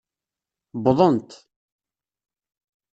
Wwḍent.